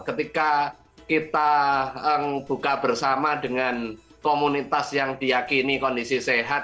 ketika kita buka bersama dengan komunitas yang diakini kondisi sehat